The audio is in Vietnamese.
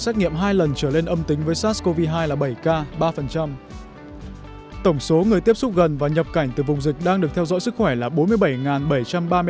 tổng số người tiếp xúc gần và nhập cảnh từ vùng dịch đang được theo dõi sức khỏe là bốn mươi bảy bảy trăm ba mươi ca